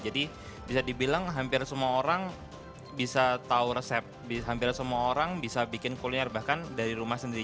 jadi bisa dibilang hampir semua orang bisa tahu resep hampir semua orang bisa bikin kuliner bahkan dari rumah sendiri